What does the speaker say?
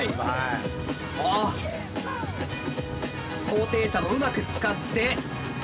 あ高低差もうまく使って。